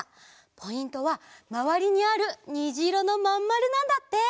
ポイントはまわりにあるにじいろのまんまるなんだって！